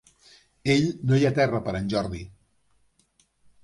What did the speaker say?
Ell, no hi ha terra per a en Jordi!